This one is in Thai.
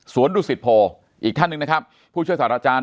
ศวรดุสิทธว์อีกอันหนึ่งนะครับผู้ช่วยสาธารอาจารย์